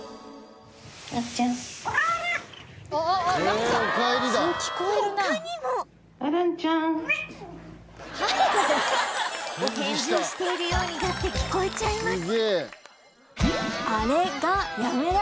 お返事しているようにだって聞こえちゃいます